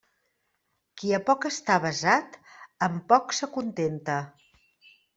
Qui a poc està avesat, amb poc s'acontenta.